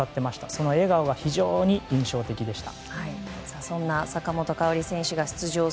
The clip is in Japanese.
その笑顔が印象的でした。